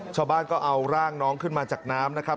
ชาวบ้านก็เอาร่างน้องขึ้นมาจากน้ำนะครับ